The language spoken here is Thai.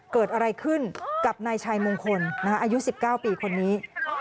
เกิดอะไรขึ้นกับนายชัยมงคลอายุ๑๙ปีคนนี้